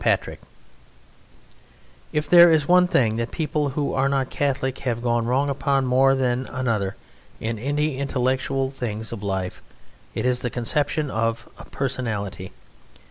Patrick If there is one thing that people who are not Catholic have gone wrong upon more than another in the intellectual things of life, it is the conception of a Personality.